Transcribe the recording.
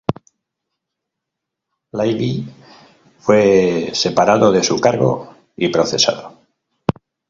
Libby fue separado de su cargo y procesado.